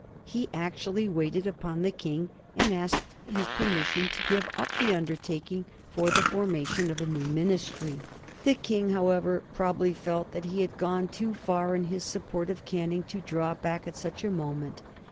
He actually waited upon the King, and asked his permission to give up the undertaking for the formation of a new Ministry. The King, however, probably felt that he had gone too far in his support of Canning to draw back at such a moment.